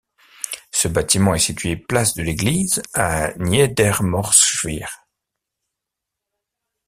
Ce bâtiment est situé place de l'Église à Niedermorschwihr.